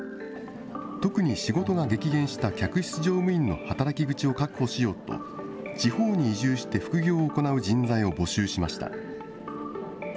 特に仕事が激減した客室乗務員の働き口を確保しようと、地方に移住して副業を行う人材を募集しました。